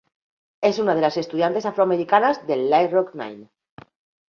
Es una de las estudiantes afroamericanas del "Little Rock Nine".